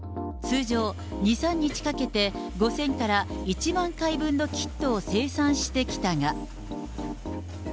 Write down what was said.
通常２、３日かけて、５０００から１万回分のキットを生産してきたが。